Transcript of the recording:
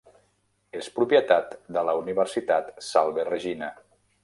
És propietat de la universitat Salve Regina.